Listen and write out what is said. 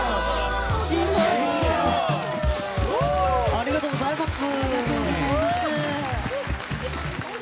ありがとうございます。